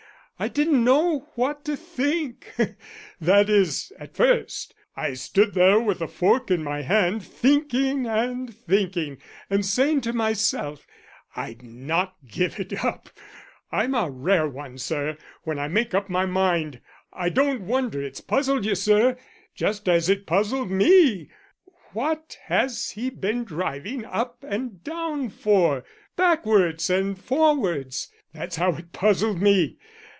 I didn't know what to think that is, at first. I stood there with the fork in my hand thinking and thinking and saying to myself I'd not give it up I'm a rare one, sir, when I make up my mind. I don't wonder it's puzzled you, sir, just as it puzzled me. What has he been driving up and down for backwards and forwards? That's how it puzzled me.